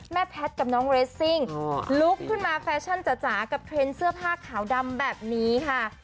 แพทย์กับน้องเรสซิ่งลุกขึ้นมาแฟชั่นจ๋ากับเทรนด์เสื้อผ้าขาวดำแบบนี้ค่ะ